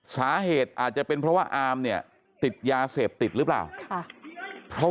สาเหตุอาจจะเป็นเพราะว่าอามเนี่ยติดยาเสพติดหรือเปล่า